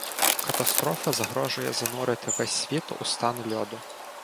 Катастрофа загрожує занурити весь світ у стан льоду.